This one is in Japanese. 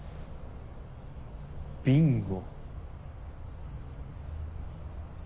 ビンゴ。